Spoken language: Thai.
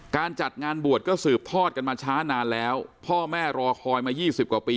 การจัดงานบวชก็สืบทอดกันมาช้านานแล้วพ่อแม่รอคอยมา๒๐กว่าปี